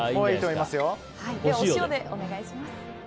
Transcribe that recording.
お塩でお願いします。